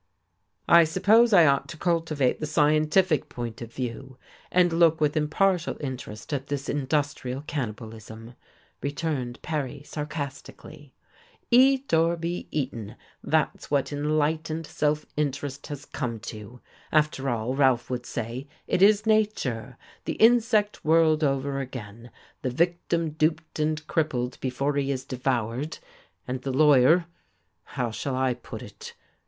"I suppose I ought to cultivate the scientific point of view, and look with impartial interest at this industrial cannibalism," returned Perry, sarcastically. "Eat or be eaten that's what enlightened self interest has come to. After all, Ralph would say, it is nature, the insect world over again, the victim duped and crippled before he is devoured, and the lawyer how shall I put it?